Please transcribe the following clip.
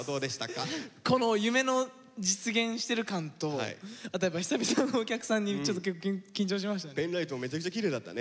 この夢の実現してる感とあとやっぱ久々のお客さんにちょっと緊張しましたね。